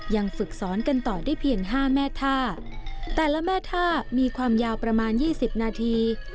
ฝึกสอนกันต่อได้เพียงห้าแม่ท่าแต่ละแม่ท่ามีความยาวประมาณยี่สิบนาที